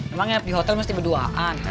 emang nginep di hotel mesti berduaan